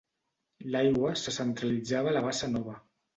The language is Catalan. L'aigua se centralitzava a la Bassa Nova.